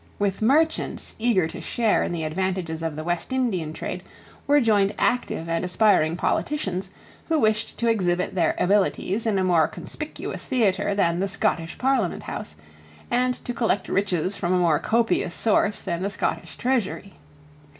With merchants, eager to share in the advantages of the West Indian Trade, were joined active and aspiring politicians who wished to exhibit their abilities in a more conspicuous theatre than the Scottish Parliament House, and to collect riches from a more copious source than the Scottish treasury.